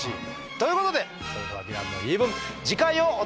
ということでそれでは「ヴィランの言い分」次回をお楽しみに。